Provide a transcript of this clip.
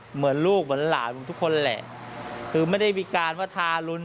เหมือนลูกเหมือนหลานทุกคนแหละคือไม่ได้มีการว่าทารุณ